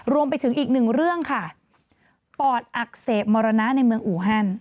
รวมไปถึงอีกหนึ่งเรื่องค่ะปอดอักเสบมรณะในเมืองอูฮัน